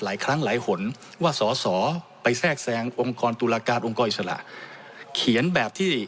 หลายครั้งหลายหนว่าสอสอไปแทรกแซงองค์กรตุลาการองค์กรอิสระเขียนแบบที่